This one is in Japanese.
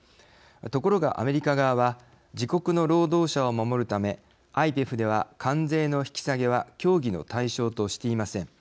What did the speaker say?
ところがアメリカ側は自国の労働者を守るためＩＰＥＦでは関税の引き下げは協議の対象としていません。